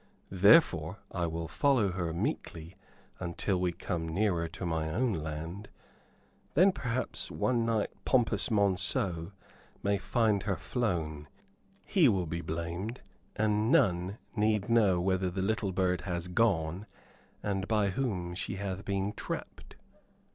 Therefore, I will follow her meekly until we come nearer to my own land. Then, perhaps, one night pompous Monceux may find her flown. He will be blamed; and none need know whither the little bird has gone and by whom she hath been trapped."